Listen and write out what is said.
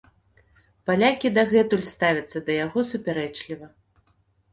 Палякі дагэтуль ставяцца да яго супярэчліва.